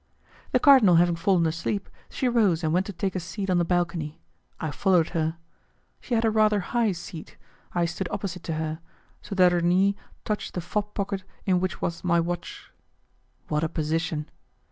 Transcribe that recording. The cardinal having fallen asleep, she rose and went to take a seat on the balcony; I followed her. She had a rather high seat; I stood opposite to her, so that her knee touched the fob pocket in which was my watch. What a position!